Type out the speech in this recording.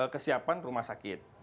kesiapan rumah sakit